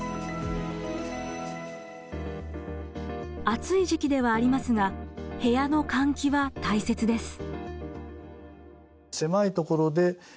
暑い時期ではありますが部屋の換気は大切です。